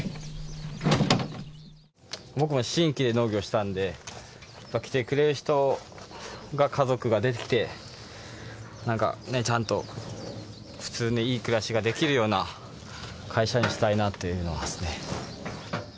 僕も新規で農業したのでやっぱり来てくれる人が家族ができてなんかねちゃんと普通にいい暮らしができるような会社にしたいなっていうのはですね。